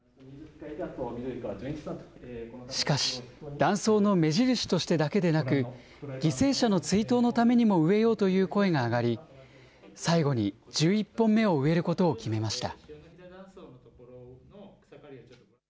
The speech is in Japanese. しかし、断層の目印としてだけでなく、犠牲者の追悼のためにも植えようという声が上がり、最後に１１本目を植えることを決めました。